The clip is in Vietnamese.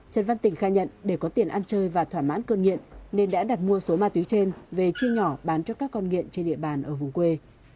trần văn tỉnh khai nhận để có tiền ăn chơi và thỏa mãn cơn nghiện nên đã đặt mua số ma túy trên về chia nhỏ bán cho các con nghiện trên địa bàn ở vùng quê